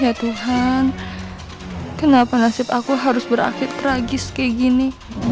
ya tuhan kenapa nasib aku harus berakhir tragis kayak gini